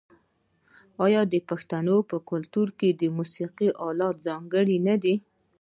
آیا د پښتنو په کلتور کې د موسیقۍ الات ځانګړي نه دي؟